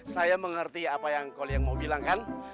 saya mengerti apa yang mau bilang kan